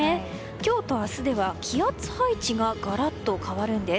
今日と明日では気圧配置がガラッと変わるんです。